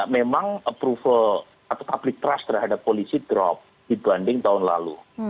memang approval atau public trust terhadap polisi drop dibanding tahun lalu